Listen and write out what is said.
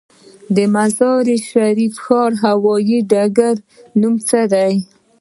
د مزار شریف هوايي ډګر نوم څه دی؟